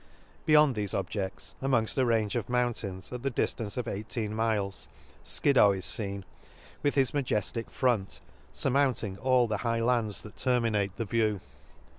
—Beyond thefe objedls, amongft a range of mountains, at the diftance of eighteen miles, Skiddow is feen, with his majef tic front, furmounting all the high lands that terminate the view.